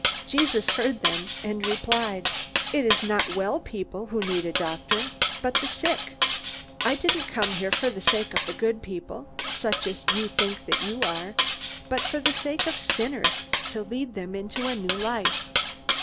Jesus heard them, and replied: "It is not well people who need a doctor, but the sick. I didn't come here for the sake of the good people, such as you think that you are, but for the sake of sinners to lead them into a new life."